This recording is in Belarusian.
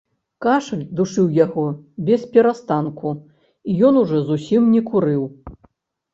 Кашаль душыў яго бесперастанку, і ён ужо зусім не курыў.